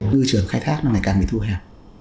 nuôi trồng khai thác nó ngày càng bị thu hẹp